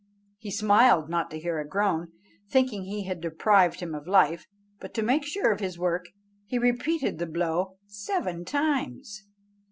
He smiled not to hear a groan, thinking he had deprived him of life; but to make sure of his work, he repeated the blow seven times.